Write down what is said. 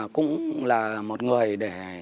cũng là một người để